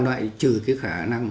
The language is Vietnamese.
đoại trừ cái khả năng